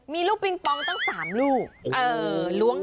มีลูกปิงปองตั้ง๓ลูก